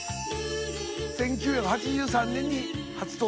１９８３年に初登場」